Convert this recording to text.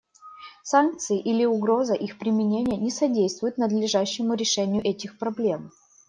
Санкции или угроза их применения не содействуют надлежащему решению этих проблем.